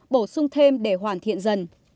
bổ sung thêm để hoàn thiện dần